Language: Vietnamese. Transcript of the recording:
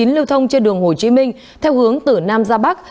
lưu thông trên đường hồ chí minh theo hướng từ nam ra bắc